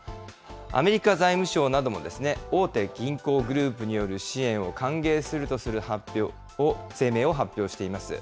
アメリカ財務省なども大手銀行グループによる支援を歓迎するとする声明を発表しています。